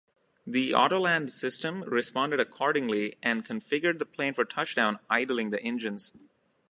The autoland system responded accordingly and configured the plane for touchdown, idling the engines.